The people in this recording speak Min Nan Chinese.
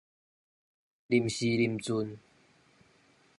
臨時臨陣